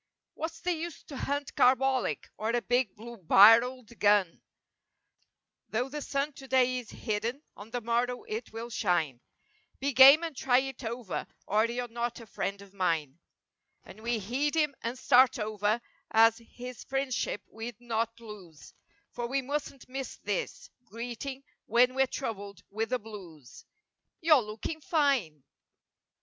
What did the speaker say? "What's the use to hunt carbolic or a big blue barreled gun." " 'Though the sun today is hidden, on the morrow it will shine;" "Be game and try it over or you're not a friend of mine," And we heed him and start over as his friendship we'd not lose For we mustn't miss this greeting when we're troubled with the blues— "You're looking fine!"